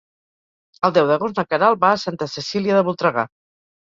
El deu d'agost na Queralt va a Santa Cecília de Voltregà.